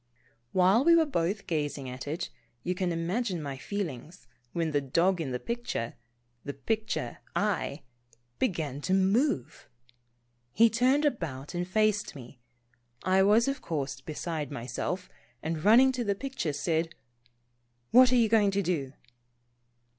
While we were both gazing at it, you can im agine my feelings, when the dog in the picture, the picture I, began to move! He turned about and faced me. I was of course beside myself, and running to the picture said :" What are you going to do